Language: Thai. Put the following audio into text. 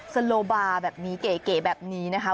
สโลบาแบบนี้เก๋แบบนี้นะคะ